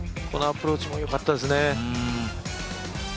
このアプローチもよかったです。